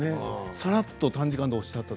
さらっと短時間でおっしゃってた。